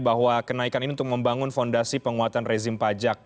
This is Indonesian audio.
bahwa kenaikan ini untuk membangun fondasi penguatan rezim pajak